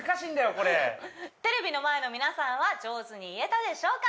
これテレビの前の皆さんは上手に言えたでしょうか